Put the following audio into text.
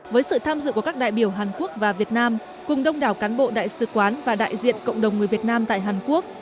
với sự tham dự của các đại biểu hàn quốc và việt nam cùng đông đảo cán bộ đại sứ quán và đại diện cộng đồng người việt nam tại hàn quốc